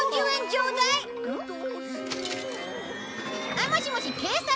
あっもしもし警察？